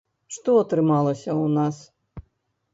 Што атрымалася ў нас?